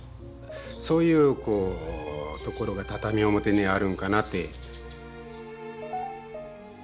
そういうところが畳表にあるんかなって。